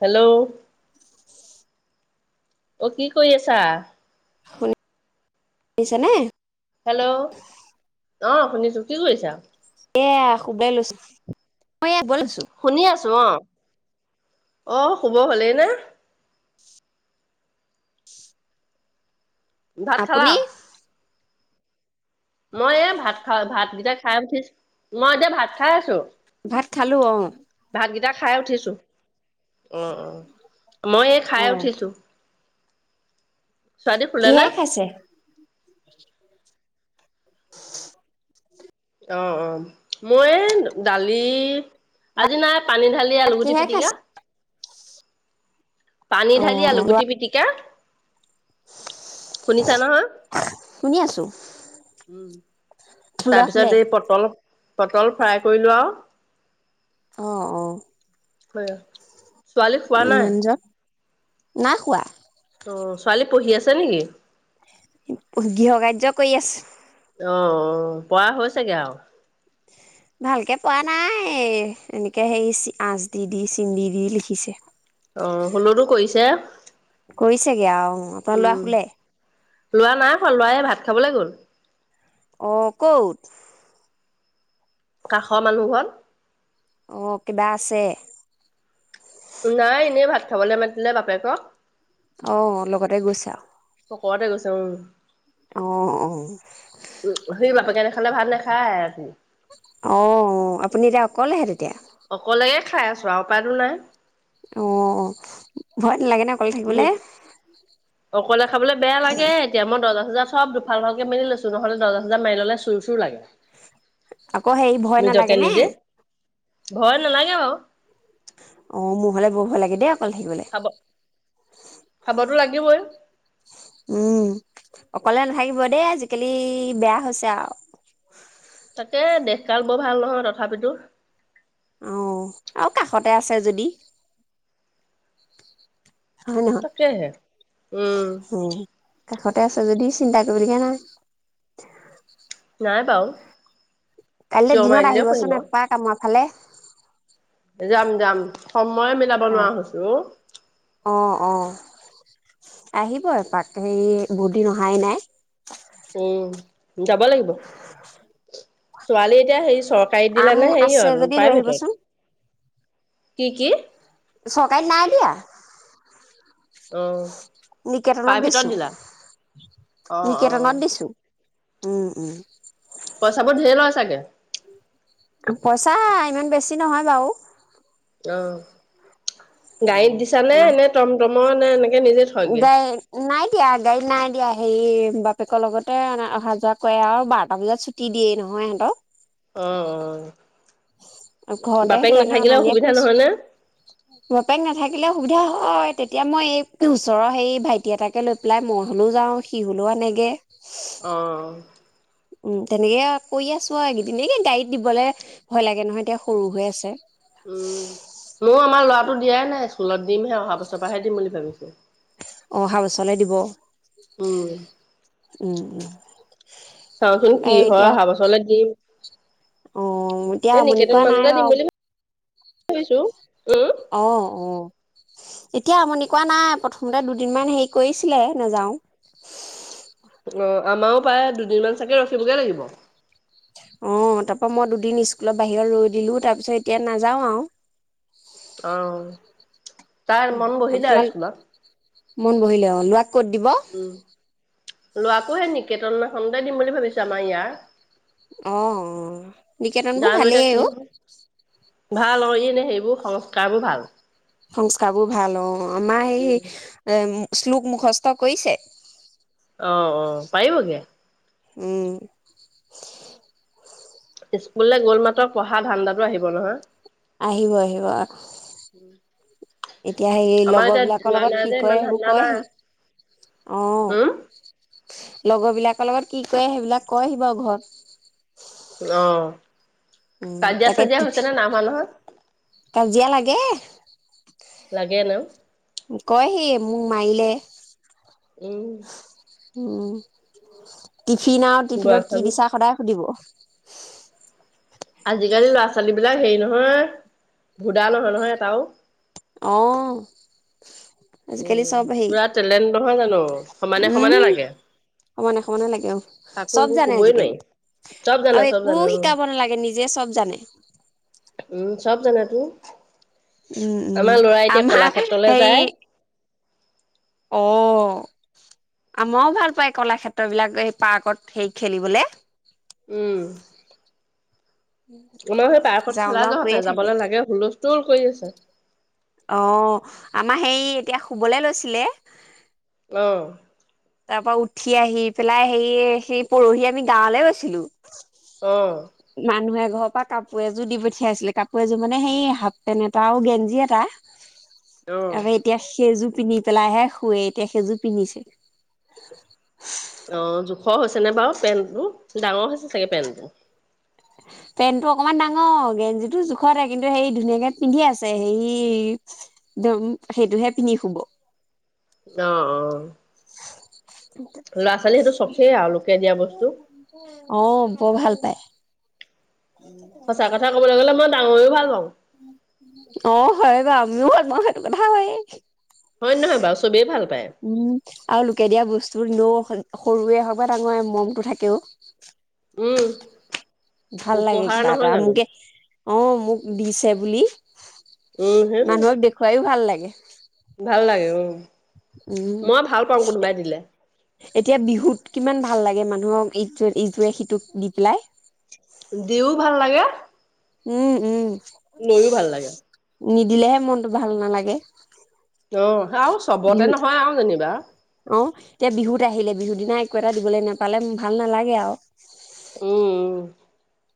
Hello. [inaudible] অ', কি কৰি আছা? শুনি শুনিছা নে? হেল্ল' অ শুনিছোঁ কি কৰিছা? এয়া শুবলে লৈছো। মই ইয়া বইছোঁ শুনি আছো অ, অ' শুব হ'লেই নে? ভাত খালা? আপুনি? মই এ ভাত খা ভাতকেইটা খাই উঠিছো, মই এতিয়া ভাত খাই আছো। ভাত খালোঁ অঁ। ভাতকেইটা খাই উঠিছো। অঁ, অঁ, মই এই খাই উঠিছো। ছোৱালী শুলে নে? কিহেৰে খাইছে? [inaudible] [inaudible] অঁ অ' মই এই দালি, আজি নাই পানী ঢালি ভাত আলুগুটি কিহে পিটিকা। খাইছে? পানী ঢালি অ', ল'ৰা আলুগুটি পিটিকা। শুনিছা নহয়, শুনি আছো, উম। ল'ৰা তাৰ শুলে? পিছত এই পটল পটল ফ্ৰাই কৰিলো আৰু। অঁ, অ। [unintelligible] ছোৱালী শোৱা নাই। মানুহজন? নাই শোৱা। অঁ, ছোৱালী পঢ়ি আছে নেকি? গৃহ কাৰ্য কৰি আছ অঁ, অঁ পৱা হৈছেগে আৰু। ভালকে পৱা নাই, এনেকে সেই আচ দি- দি চিন দি- দি লিখিছে। অঁ, হ'লটো কৰিছে, কৰিছেগে আৰু অ', আপোনাৰ ল'ৰা উম শুলে? লৱা নাই শোৱা, লৱা এই ভাত খাবলৈ গ'ল। অঁ ক'ত? কাষৰ মানুহ ঘৰত। অঁ কিবা আছে। নাই এনেই ভাত খাবলৈ মাতিলে বাপেকক। অ' লগতে গৈছে আও। পকৰতে গৈছে উম। অঁ, অ', অঁ সি বাপেকে নাখালে ভাত নাখায় ৰাতি - অঁ আপুনি এতিয়া অক কলেহে তেতিয়া। অকলেই খাই আছো আৰু উপাই টো নাই। অঁ, ভয় নালাগে নে অকলে থাকিবলে গোদ অকলে খাবলে বেয়া লাগে এতিয়া মই দৰ্জা চৰ্জা চব দুফাল দুফালকে মেলি লৈছো নহলে দৰ্জা চৰ্জা মাৰি ল'লে চুৰ চুৰ লাগে আকৌ হেৰি ভয় নিজকে নালাগে নে অ নিজে ভয় নালাগে বাৰু মোৰ হলে বহুত ভয় লাগে দে অকল থাকিবলৈ খাব খাবতো লাগিবই উম অকলে নাথাকিব দেই আজিকালি বেয়া হৈছে আৰু তাকে দেখকাল বৰ ভাল নহয় তথাপিতো অহ আৰু কাষতে আছে যদি হয় নহয় তাকেহে উম কাষতে আছে যদি চিন্তা কৰিব লগা নাই নাই বাওঁ কাইলৈ দিনত আহিবচোন এপাক আমাক ভালে যাম যাম সময়ে মিলাব অ নোৱাৰা হৈছো অ অ আহিব এপাক হেৰি বহুত দিন অহাই নাই উম, যাব লাগিব ছোৱালী এতিয়া হেৰি চৰকাৰী দিলে আম নে আছে সেৰিয়ত যদি লৈ প্ৰাইভেটত আহিবচোন কি কি চৰকাৰীত নাই দিয়া অ, নিকেতনত প্ৰাইভেটত দিছো দিলা অ অ নিকেতনত দিছো উম উম পইচাবোৰ ঢেৰ লয় চাগে পইচা ইমান বেছি নহয় বাৰু অ গাড়ীত দিছানে নে টমটমৰ নে এনেকে নিজে থয়গে? গাড়ী নাই দিয়া গাড়ী নাই দিয়া হেৰি বাপেকৰ লগতে অহা যোৱা কৰে আৰু বাৰটা বজাত ছুটি দিয়েই নহয় সিহঁতক অ অ আৰু ঘৰতে বাপেক সেই কাৰণে নাথাকিলে অনা নিয়া অসুবিধা নহয় নে? কৰিছো বাপেক নাথাকে সুবিধা হয় তেতিয়া মই এই ওচৰৰ হেৰি ভাইটি এটাকে লৈ পেলাই মই হ'লেও যাওঁ সি হ'লেও আনেগৈ অহঁ উম তেনেকে কৰি আছো আৰু এইকেইদিন গাড়ীত দিবলে ভয় লাগে নহয় এতিয়া সৰু হৈ আছে মইয়ো আমাৰ লৰাটো দিয়াই নাই স্কুলত দিমহে অহা বছৰ পৰাহে দিম বুলি ভাবিছোঁ অহা বছৰলৈ দিব উম উম [inaudible] চাওঁচোন কি এই হয় এতিয়া অহা বছৰলৈ দিম অ এতিয়া এ আমনি নিকেতন কৰা মানুহ নাই এটা দিম বাৰু বুলি। ছো। অ অ এতিয়া আমনি কা নাই প্ৰথমতে দুদিনমান হেৰি কৰিছিলে নাযাও। অ আমাৰো প্ৰায় দুদিনমান চাগে ৰখিবগে লাগিব। অ তাৰ পৰা মই দুদিন স্কুলৰ বাহিৰত ৰৈ দিলো তাৰ পিছত এতিয়া নাযাও আৰু। অহ। তাই মন বহি দা আপোনাল স্কুলত। মন বহিলে অ। ক'ত দিব। লোৱাকোহে নিকেতন সন্দেহ দিম বুলি ভাবিছে আমাৰ ইয়াৰ অ নিকেতন বোৰ জানো এতিয়া ভালেই কি অ। হয় সংস্কাৰ বোৰ ভাল। সংস্কাৰ বোৰ ভাল অ আমাৰ এইেই এ শ্লোক মুখস্থ কৰিছে। অ অ পাৰিবগে। উম। স্কুললৈ গ'ল মাতৰ পঢ়া ধান্দাো আহিব নহয়। আহিব আহিব এতিয়া হে আমাৰ লগৰ এতিয়া বিলাকৰ যোৱা লগত নাই কি যে ক ইমান সেইবোৰ ধান্দা নাই কয়হি অ। উম লগৰ বিলাকৰ লগত কি কৰে সেইবিলাক কয়হি বাৰু ঘৰত। অহ। উম, কাজিয়া তাকে চাজিয়া হৈছে ন না মানুহৰ। কাজিয়া লাগে। লাগে ন। কয় সি মোক মাৰিলে। উম উম। টিফিন আৰু ল'ৰা টিফিনত কি ছোৱালী দিছা সদায় সুধিব। আজিকালি ল'ৰা ছোৱালী বিলাক হেৰি নহয় ভুদা নহয় নহয় এটাও। অ। আজিকালি উম চব হেৰি পুৰা টেলেণ্ট নহয় জানো সমানে সমানে উম লাগে সমানে সমানে লাগে আৰু কাকো চব একো জানে কবই নাইি আজিকালি চব জানে আৰু চব একো জানে উ শিকাব নালাগে নিজে চব জানে উম চব জানে। উ। উম উম আমাৰ সেই। যায় অ আমাৰও ভাল পায় কলাক্ষেত্ৰ বিলাক এই পাৰ্কত সেই খেলিবলে। উম। আমাৰ সেই পাৰ্কত যাওঁ খেলা যাওঁ যহাতে কৈয়ে থাকে যাবলৈ লাগে হুলুস্থ তুৰ। কৈ আছা। অ আমাৰ হেই এতিয়া শুবলে লৈছিলে। আহ তাৰ পৰা উঠি আহি পেলাই সে সেই পৰহি আমি গাঁৱ গৈছিলো। অ মানুহে। ঘৰৰ পৰা কাপোৰ এযোৰ দি পঠিয়াইছিলে, কাপোৰ এযোৰ মানে সেই হাফ পেণ্ট এটা আৰু গেঞ্জি এটা। অ আবে এতিয়া সেইযো পিন্ধি পেলাইহে শুুৱে এতিয়া সেইযোৰ পিন্ধিছে। [inaudible] অ জোখৰ হৈছে নে বাৰু পেণ্টটো, ডাঙৰ হৈছে চাগে পেণ্টটোৰ? পেন্টটো অকমান ডাঙৰ, গেঞ্জিটো জোখতে কিন্তু সে ধুনীয়াকে পিন্ধি আছে হেই দম সেইটোহে পিন্ধি শুব আহ আহ ল'ৰা ছোৱালী সেইটো চখে আৰু লোকে দিয়া বস্তু। অ বৰ ভাল। বাই। উম, সঁচা কথা কবলৈ গ'লে মই ডাঙৰেও ভাল পাওঁ। অ হয় বাও। আমিও ভাল পাওঁ সেইটো কথা হয়ে। হয় নহয় বাও, চবেই ভাল পায়। য ন সৰুৱে হওক বা ডাঙৰ মমতটো থাকেও। উম। ভাল লাগে উপহাৰ কিবা নহয় এটা জানো? মোকে অ মোক দিছে। ছে বুলি। উম সেইটোয়ে, মানুহক দেখুৱাইও ভাল লাগে। ভাল লাগে উম। উম মই ভাল পাওঁ কোনোবাই দিলে। এতিয়া বিহুত কিমান ভাল লাগে মানুহক এইটো এইটোয়ে। সিটোক দি পেলাই। দিও উম উম। নৈও ভাল লাগে। নিদিলেহে মনতটো ভাল নালাগে। আহ আৰু চবতে বিহু নহয় আৰু যেনিবা। অ এতিয়া বিহুত আহিলে বিহুৰ দিনা একো এটা দিবলৈ নোপালে ভাল নালাগে আও। উম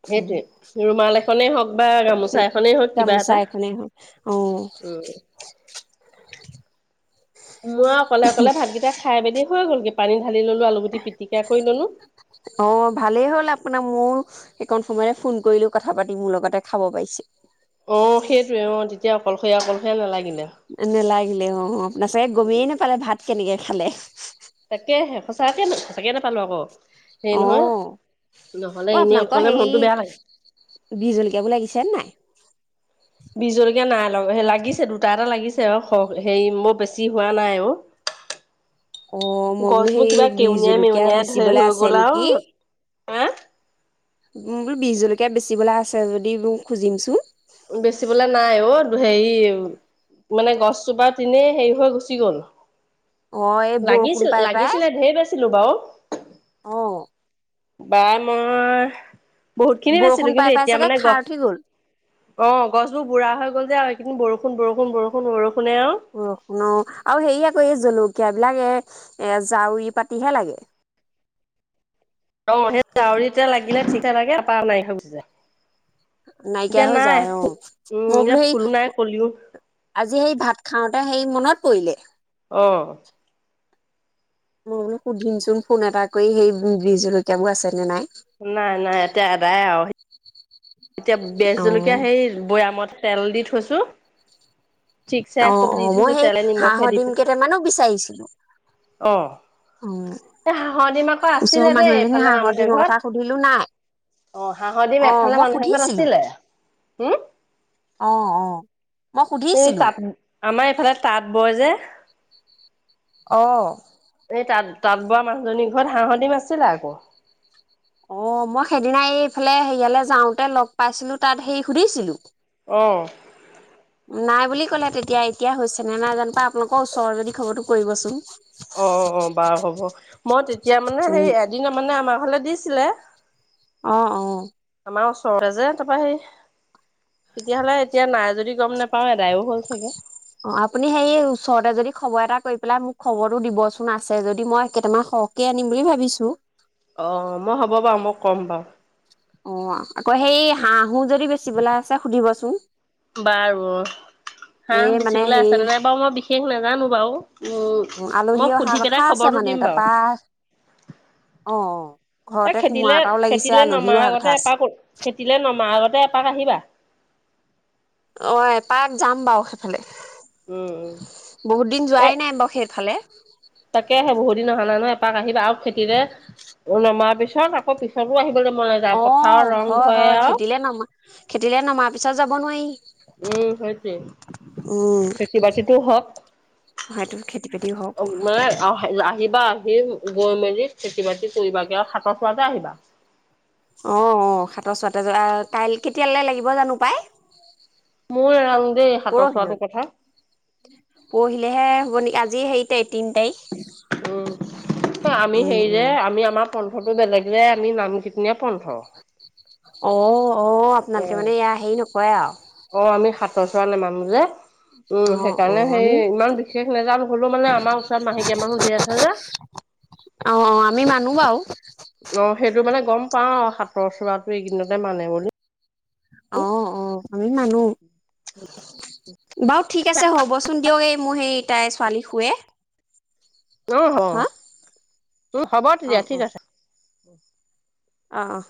সেইটোৱে ৰুমাল এখ সনে হওক বা উ গামোচা এখনেই হওক কিবা গামোচা এটা। এখনে হক, আহ [inaudible] উম মই অকলে অকলে ভাতকেইটা খ- খাই পিনি হৈ গল গে, পানী ঢালি ললো আলুগুটি পিটিকা কৰি ললো। অ ভালেই হ'ল আপোনাৰ। মোৰ সেইকণ সময়তে ফোন কৰিলো কথা পাতি মোৰ লগতে খাব পাইছ। অ সেইটোয়ে অ তেতিয়া অকল নেলাগিলে অ আপোনাৰ চাগে গমিয়েই নেপালে ভাত কেনেকৈ খালে তাকে সঁচাকে সঁচাকে নেপালো আকৌ হেৰি অ নহয় নহ'লে অ এনেই আপোনালোকৰ অকলে হে মনটো বেয়া লাগে। বিজ জলকীয়াবো লাগিছেনে নাই উ বি জলকীয়া নাই লাগিছে দুটা এটা লাগিছে আৰু হেৰি মৰ বেছি হোৱা নাই আৰু অ মই বোলো গছবোৰ সেই কিবা বিহ কেউনিয় জলকীয়া মেউনিয়াই বেচিবলৈ হৈ আছে গ'ল নেকি আৰু হা বোলো বি জলকীয়া বেচিবলে আছে যদি মোক খুজিম চোন বেচিবলে নাই অ হেৰি মানে গছজোপা নেই হেৰি হৈ গুচি গ'ল অ এই বৰষুণ লাগিছিল পাই পাই লাগিছিলে ঢেৰ বাইছিলো বাও অ বাইমা বহুত খিনিত আছিলো বৰষুণ পাই কিন্তু পাই এতিয়া চাগে মানে খাৰ গহ উঠি গ'ল অ গছ বোৰ বুঢ়া হৈ গ'ল যে আৰু এইকেইদিন বৰষুণ বৰষুণ বৰষুণ বৰষুণ অ শুন আৰু হেৰিয়া আকৌ জলুক কিয় বিলাক এ এ জাউৰী পাতিহে লাগে অ সেই জউৰি এতিয়া লাগিলে ঠিকা লাগেপাৰ নাই সছে নাইকিয়া হৈ যায় অ উম মই এতিয়া বোলো সেই ফুলো নাই কলিও আজি সেই ভাত খাওতে সেই মনত কইলে আহ মই বোলো সুধিম চোন ফোন এটা কৰি সেই বজ জলকীয়াবোৰ আছেনে নাই নাই নাই এতিয়া আদায় আৰু এতিয়া বেজ অ জলকীয়া সেই বৈয়ামত তেল দি থৈছোঁ অ অ মই সেই হাঁহ দি সদিম কেইটামানো বিচাৰিছিলো অ অ এ হাঁহৰ ডিম আকৌ ওচৰৰ আছিলে দেই মানুহ এজনী এইফালে হাঁহৰ মানুহে ডিমৰ কথা ঘৰত সুধিলো নাই অ হাঁহৰ ডিম অ এফালে মই মানুহে সুধিছিলো আাছিলে হম অ অ মই সেই সুধিছিলো তাঁত আমাৰ এইফালে তাঁত বয় যে আহ এই তাঁ তাঁত বোৱা মানুহজনীৰ ঘৰত হাঁহদিম আছিলে আকৌ অ মই সেইদিনা এই এইফালে হেৰিয়ালে যাওঁতে লগ পাইছিলো তাত হেৰি সুধিছিলো অঁ নাই বুলি ক'লে তেতিয়া এতিয়া হৈছে নে নাই জান পা আপোনালোকৰ ওচৰৰ যদি খবৰটো কৰিবচোন অ অ বাৰু হ'ব মই তেতিয়া মানে উম সেই এদিন মানে আমাৰ গলে দিছিলে আহ অ আমাৰ ওচৰতে যে তাৰপা সেই তেতিয়াহ'লে এতিয়া নাই যদি গম নোপাওঁ এদায়ো হ'ল চাগে অ' আপুনি সেই ওচৰতে যদি খবৰ এটা কৰি পেলাই মোক খবৰটো দিবচোন আছে যদি মই কেইটামান সৰহকে আনিম বুলি ভাবিছো। অ' মই হ'ব বাৰু, মই ক'ম বাৰু। অ' আক - আকৌ সেই হাঁহ হো যদি বেচিবলে আছে সুধিব [unintelligible] [unintelligible] হাঁহ এই মানে বেচিবলে আছে হেৰি নে নাই, বাৰু মই বিশেষ নাজানো বাৰু, উম, আলহী মই অহা সুধি কথা পেলাই আছে খবৰটো মানে দিম বাৰু। অ'। এ খেতিলে - খেতিলৈ নমাৰ কথা আগতে আছে। এপাক ও - খেতিলৈ নমাৰ আগতে এপাক আহিবা। অ' এপাক যাম বাৰু সেইফালে। উম উম বহুত দিন এ যোৱাই নাই বাৰু সেইফালে। পাক আহিবা আৰু খেতিৰে নমাৰ পিছত আকৌ পিছতো আহিব অ' হয় হয়। খেতিলে নমা - খেতিলে নমাৰ পিছত যাব নোৱাৰি। উম, সেইটোৱে। খেতি বাতিটোও হওক, হয়তো খেতি বাতি হওক অ - মানে অহ - [unintelligible] আহিবা। আহিম গৈ মেলি খেতি বাতি কৰিবা কে আৰু সাতৰ চুৱাতে আহিবা। অ' অ' সাতৰ চুৱাতে যোৱা অ [unintelligible] কেতিয়ালে লাগিব জানো পাই। মোও নেজানুং দে সাতৰ পৰহিলৈ চুৱাটোৰ কথা। পৰহিলেহে হ'ব নেকি আজি হেই টাইখ তিন তাইখ। উম আমি হেৰি যে আমি আমাৰ [unintelligible] বেলেগ যে আমি নাম কীৰ্ত্তনীয়া পন্থ। অ'। অ' আপোনালোকে মানে এয়া হেৰি নকৰে আৰু সাতৰ চুৱা নেমানো যে। উম অ', সেইকাৰণে অ', হেই আমি ইমান বিশেষ নেযানো। হ'লো মানে আমাৰ ওচৰত মাহেকীয়া মানুহ ধেৰ আছে যে, অ', অ', আমি মানো বাৰু অ' সেইটো মানে গম পাও। তৰ চুৱাটো এইকেইদিনতে মানে বুলি অ' অ' আমি মানো। বাৰু ঠিক আছে হ'বচোন দিয়ক এই মোৰ সেই তাইৰ ছোৱালী শুৱে অ' হ'। হা [unintelligible] হ'ব তেতিয়া অ', অ', ঠিক অ', আছে। [inaudible] অ অহ